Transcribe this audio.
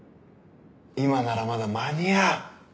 今ならまだ間に合う。